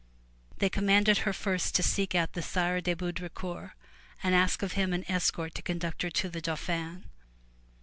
They commanded her first to seek out the Sire de Baudricourt (Bo'dri coor) and ask of him an escort to conduct her to the Dauphin.